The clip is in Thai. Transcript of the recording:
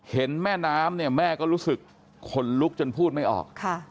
เห็นแม่น้ำเนี่ยแม่ก็รู้สึกขนลุกจนพูดไม่ออก